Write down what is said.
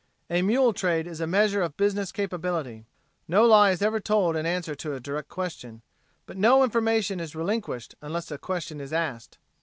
A mule trade is a measure of business capability. No lie is ever told in answer to a direct question, but no information is relinquished unless a question is asked.